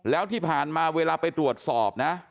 แล้วที่ผ่านมาเวลาไปตรวจสอบนะ